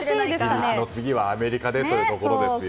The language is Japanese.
イギリスの次はアメリカでということですね。